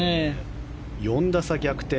４打差逆転。